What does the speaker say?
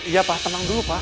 iya pak tenang dulu pak